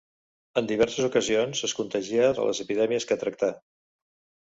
En diverses ocasions es contagià de les epidèmies que tractà.